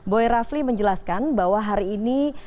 boy rafli menjelaskan bahwa hari ini